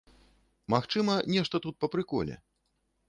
Магчыма, нешта тут па прыколе.